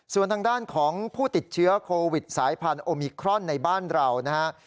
ส่วนทางด้านของผู้ติดเชื้อโควิดสายพันธุมิครอนในบ้านเรานะฮะ